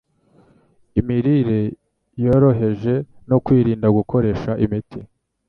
Imirire yoroheje, no kwirinda gukoresha imiti